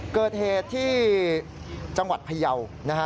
เกิดเหตุที่จังหวัดพยาวนะฮะ